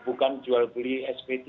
bukan jual beli sp tiga